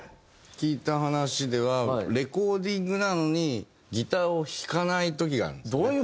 聞いた話ではレコーディングなのにギターを弾かない時があるんですよね。